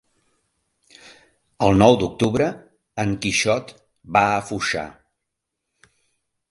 El nou d'octubre en Quixot va a Foixà.